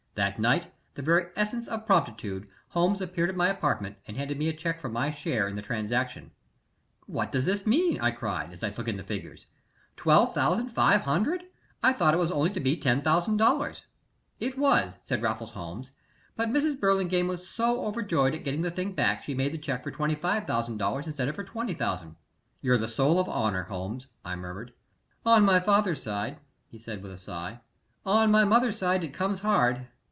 That night, the very essence of promptitude, Holmes appeared at my apartment and handed me a check for my share in the transaction. "Why what does this mean?" I cried, as I took in the figures; "$12,500 I thought it was to be only $10,000." "It was," said Raffles Holmes, "but Mrs. Burlingame was so overjoyed at getting the thing back she made the check for $25,000 instead of for $20,000." "You're the soul of honor, Holmes!" I murmured. "On my father's side," he said, with a sigh. "On my mother's side it comes hard."